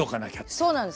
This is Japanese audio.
そうなんです。